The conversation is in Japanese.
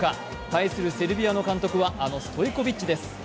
対するセルビアの監督は、あのストイコビッチです。